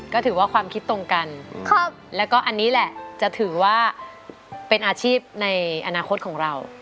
ก็ถือว่าความคิดตรงกันแล้วก็อันนี้แหละจะถือว่าเป็นอาชีพในอนาคตของเรา